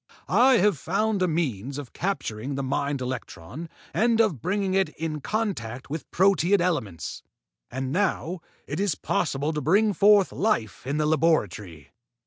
I have found a means of capturing the mind electron and of bringing it in contact with proteid elements. And now it is possible to bring forth life in the laboratory.